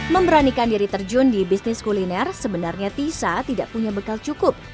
memberanikan diri terjun di bisnis kuliner sebenarnya tisa tidak punya bekal cukup